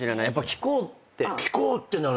聞こうってなるんすよ。